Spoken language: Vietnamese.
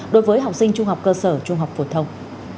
đối với học sinh trung học cơ sở trung học phổ thông